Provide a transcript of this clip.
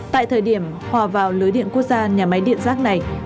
tại thời điểm hòa vào lưới điện quốc gia nhà máy điện rác này